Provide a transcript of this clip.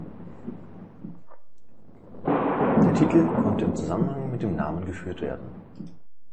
Der Titel konnte im Zusammenhang mit dem Namen geführt werden.